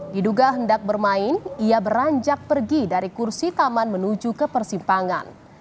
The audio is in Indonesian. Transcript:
diduga hendak bermain ia beranjak pergi dari kursi taman menuju ke persimpangan